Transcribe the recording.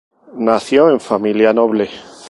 Nació en familia noble.